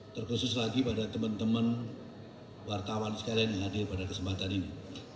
terkhusus lagi pada teman teman wartawan sekalian yang hadir pada kesempatan ini